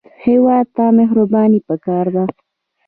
هېواد ته مهرباني پکار ده